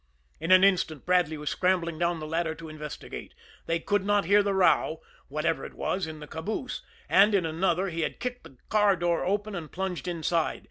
In an instant Bradley was scrambling down the ladder to investigate they could not hear the row, whatever it was, in the caboose and in another he had kicked the car door open and plunged inside.